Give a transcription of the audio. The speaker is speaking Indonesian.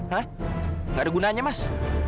gak ada gunanya mas